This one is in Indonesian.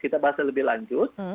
kita bahas lebih lanjut